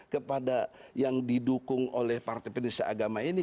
kepada yang didukung oleh partai penista agama ini